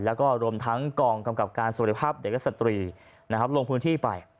แล้วก็รวมทั้งกองกำกับการสวัสดีภาพเด็กและสตรีลงพื้นที่ไป